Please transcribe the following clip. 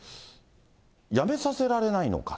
辞めさせられないのか？